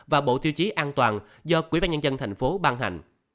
và bộ tiêu chí an toàn do quỹ ban nhân dân thành phố ban hành